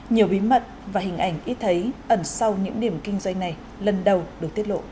nhiều bí mật và hình ảnh ít thấy ẩn sau những điểm kinh doanh này lần đầu được tiết lộ